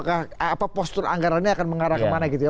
apakah postur anggarannya akan mengarah kemana gitu ya